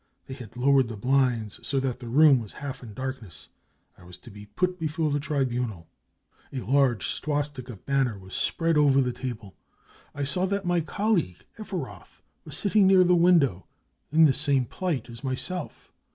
They had lowered the blinds so that the room was half in darkness. I was to be put before the tribunal. A large swastika banner was spread over the table. I saw that my colleague, Efferoth, was sitting near the window, in the same plight as myself.